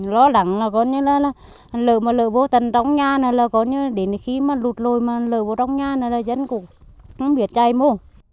lo lắng là có như là lở vô tầng trong nhà là có như đến khi mà lụt lồi mà lở vô trong nhà là dân cũng không biết chạy mô